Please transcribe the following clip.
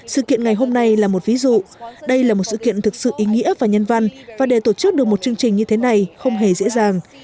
sự kiện ngày hôm nay là một ví dụ đây là một sự kiện thực sự ý nghĩa và nhân văn và để tổ chức được một chương trình như thế này không hề dễ dàng